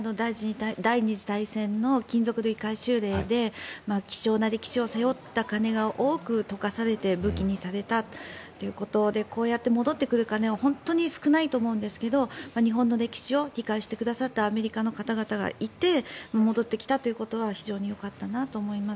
第２次大戦の金属類回収令で希少な歴史を背負った鐘が多く溶かされて武器にされたということでこうやって戻ってくる鐘は本当に少ないと思うんですけど日本の歴史を理解してくださったアメリカの方々がいて戻ってきたということは非常によかったなと思います。